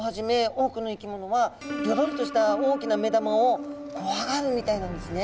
ギョロリとした大きな目玉を怖がるみたいなんですね。